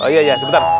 oh iya ya sebentar